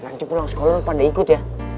nanti pulang sekolah pada ikut ya